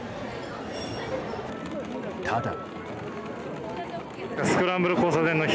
ただ。